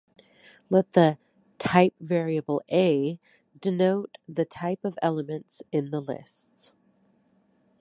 Let the "type variable a" denote the type of elements in the lists.